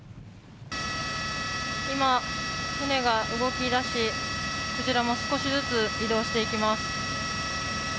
今、船が動き出しクジラも少しずつ移動していきます。